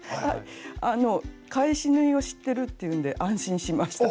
あの返し縫いを知ってるっていうんで安心しました。